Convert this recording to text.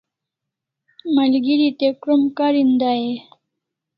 Malgeri te krom kariu dai e?